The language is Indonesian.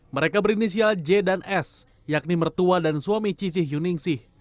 mereka berinisial j dan s yakni mertua dan suami cici yuningsih